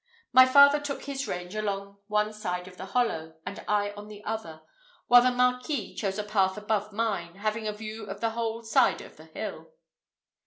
My father took his range along one side of the hollow, and I on the other; while the Marquis chose a path above mine, having a view of the whole side of the hill.